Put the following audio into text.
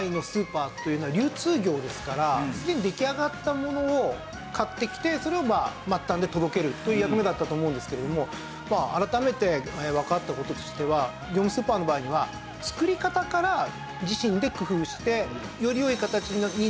すでに出来上がったものを買ってきてそれを末端で届けるという役目だったと思うんですけれども改めてわかった事としては業務スーパーの場合には作り方から自身で工夫して。